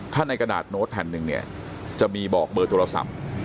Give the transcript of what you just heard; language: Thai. ถ้าในกระดาษโน้ตแผ่นหนึ่งเนี่ยจะมีบอกเบอร์โทรศัพท์